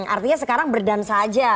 artinya sekarang berdansa aja